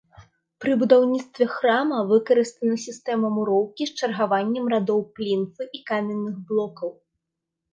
Пры будаўніцтве храма выкарыстана сістэма муроўкі з чаргаваннем радоў плінфы і каменных блокаў.